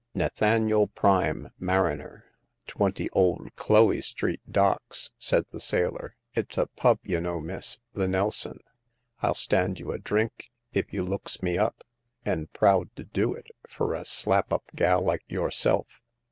" Nathaniel Prime, mariner, 20, Old Cloe Street, Docks," said the sailor. It's a pub, y' know, miss— the Nelson. FU stand you a drink if you looks me up, and proud to do it fur a slap up gal like yourself